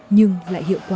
nhưng lại hiệu quả